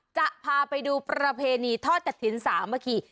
จะพาไปดูประเพณีทอดกับถิ่นสามเมื่อกี้